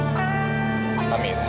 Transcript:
tidak akan menjadi silahkan